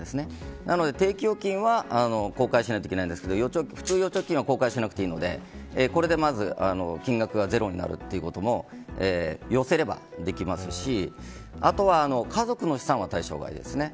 なので定期預金は公開しないといけないんですが普通預貯金は公開しなくていいのでこれでまず、金額がゼロになるということも寄せればできますし家族の資産は対象外ですね。